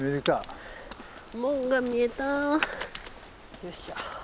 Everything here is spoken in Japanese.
よっしゃ。